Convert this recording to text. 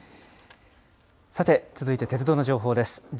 さて、続いて鉄道の情報です。